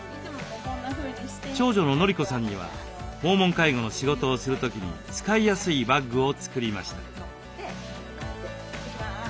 長女の法子さんには訪問介護の仕事をする時に使いやすいバッグを作りました。